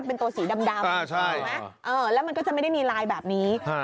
เป็นตัวสีดำดำอ่าใช่เออแล้วมันก็จะไม่ได้มีลายแบบนี้อ่า